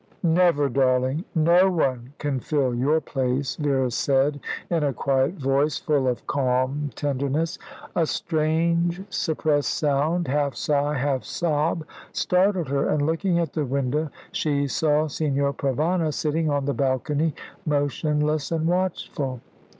"Never, darling. No one can fill your place," Vera said, in a quiet voice, full of calm tenderness. A strange, suppressed sound, half sigh, half sob, startled her, and looking at the window she saw Signor Provana sitting on the balcony, motionless and watchful.